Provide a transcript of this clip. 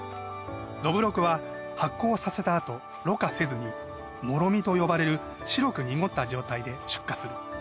どぶろくは発酵させたあとろ過せずに醪と呼ばれる白く濁った状態で出荷する。